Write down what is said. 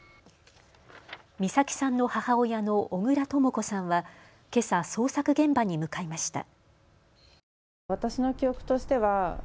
美咲さんの母親の小倉とも子さんはけさ捜索現場に向かいました。